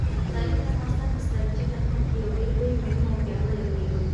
تاریخ د افغانستان په ستراتیژیک اهمیت کې یو ډېر مهم او پیاوړی رول لري.